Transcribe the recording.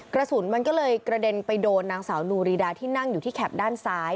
กระสุนมันก็เลยกระเด็นไปโดนนางสาวนูรีดาที่นั่งอยู่ที่แคปด้านซ้าย